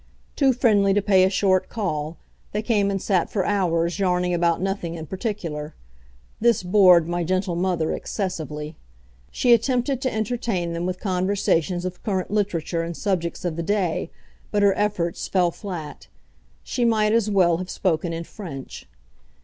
Too friendly to pay a short call, they came and sat for hours yarning about nothing in particular. This bored my gentle mother excessively. She attempted to entertain them with conversation of current literature and subjects of the day, but her efforts fell flat. She might as well have spoken in French.